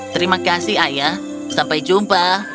terima kasih ayah sampai jumpa